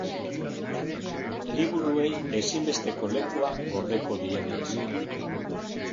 Liburuei ezinbesteko lekua gordeko diete.